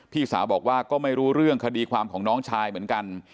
พี่สาวบอกว่าก็ไม่รู้เรื่องคดีความของน้องชายเหมือนกัน